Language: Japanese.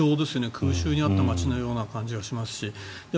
空襲に遭った街のような感じがしますし。